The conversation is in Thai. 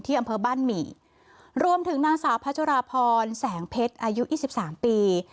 ที่อำเภอบ้านหมี่รวมถึงนางสาวพระจราพรแสงเพชรอายุยี่สิบสามปี